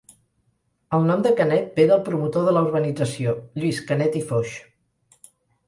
El nom de Canet ve del promotor de la urbanització, Lluís Canet i Foix.